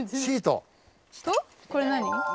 これ何？